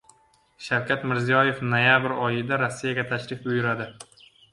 Shavkat Mirziyoyev noyabr oyida Rossiyaga tashrif buyuradi